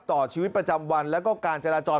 ต่อชีวิตประจำวันแล้วก็การจราจร